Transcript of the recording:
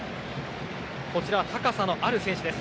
こちらは高さのある選手です。